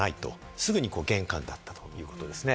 すぐに玄関だったということですね。